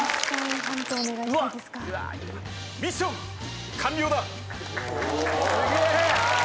ミッション、完了だ！